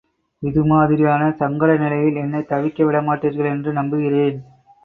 இது மாதிரியான சங்கட நிலையில் என்னைத் தவிக்க விடமாட்டீர்கள் என்று நம்புகிறேன்.